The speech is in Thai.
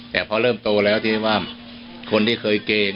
ก็เริ่มโตแล้วที่มีคนที่เคยเกง